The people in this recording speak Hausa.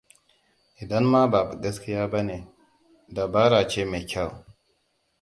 Idan ma ba gaskiya ba ne, dabara ce mai kyau.